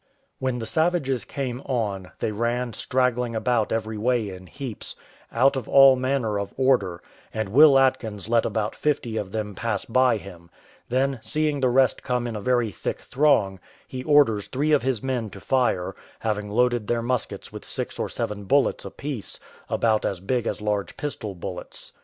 When the savages came on, they ran straggling about every way in heaps, out of all manner of order, and Will Atkins let about fifty of them pass by him; then seeing the rest come in a very thick throng, he orders three of his men to fire, having loaded their muskets with six or seven bullets apiece, about as big as large pistol bullets.